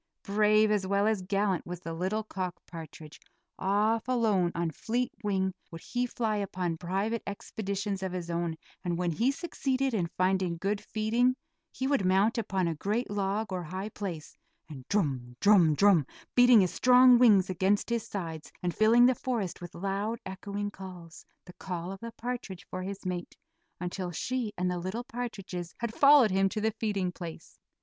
Brave as well as gallant was the little cock partridge. Off alone, on fleet wing would he fly upon private expeditions of his own, and when he succeeded in finding good feeding, he would mount upon a great log, or high place, and drum, drum, drum, beating his strong wings against his sides, and filling the forest with loud echoing calls the call of the partridge for his mate, until she and the little partridges had followed him to the feeding place.